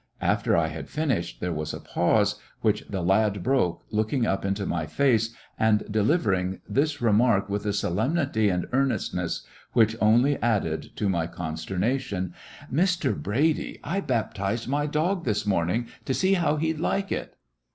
After I had finished there was a pause, which the lad broke, looking up into my face and delivering this remark with a solemnity and earnestness which only added to my consternation : "Mr. Brady, I baptized my dog this morn ing to see how he 'd like it